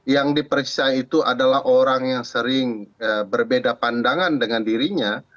yang diperiksa itu adalah orang yang sering berbeda pandangan dengan dirinya